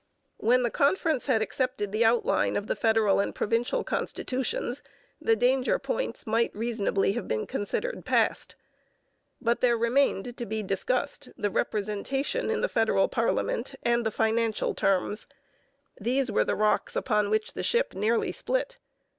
When the conference had accepted the outline of the federal and provincial constitutions the danger points might reasonably have been considered past. But there remained to be discussed the representation in the federal parliament and the financial terms. These were the rocks on which the ship nearly split.